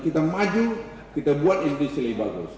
kita maju kita buat yang bisa lebih bagus